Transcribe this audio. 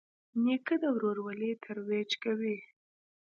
نیکه د ورورولۍ ترویج کوي.